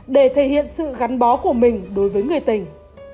để thể hiện sự gắn bó của mình đối với người tình